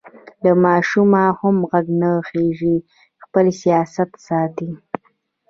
له ماشومه هم غږ نه خېژي؛ خپل سیاست ساتي.